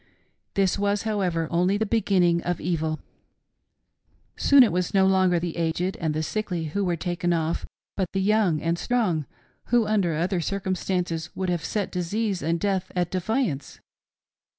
This was, how ever, only the beginning of evil. " Soon it was no longer the aged and the sickly who were taken ofF, but the young and strong, who under other circum stances would have set disease and death at defiance.